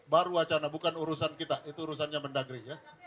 baru wacana bukan urusan kita itu urusannya mendagri ya